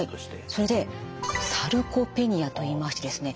それでサルコペニアといいましてですね